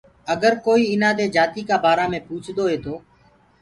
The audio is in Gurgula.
اَگر ڪوئيٚ ايٚنآ دي جاتيٚ ڪآ بآرآ مي پوٚڇدو تو۔